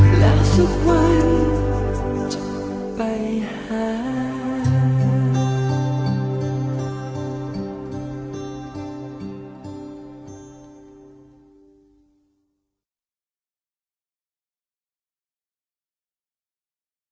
เพราะว่าแล้วสุขวัญจะไปหาย